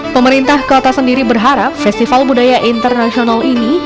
pemerintah kota sendiri berharap festival budaya internasional ini